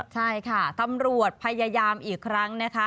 ใช่ค่ะตำรวจพยายามอีกครั้งนะคะ